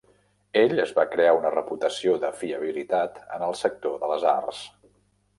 Ell es va crear una reputació de fiabilitat en el sector de les arts.